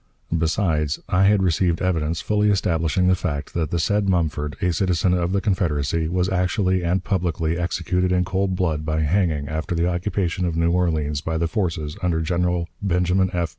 Besides, I had received evidence fully establishing the fact that the said Mumford, a citizen of the Confederacy, was actually and publicly executed in cold blood by hanging after the occupation of New Orleans by the forces under General Benjamin F.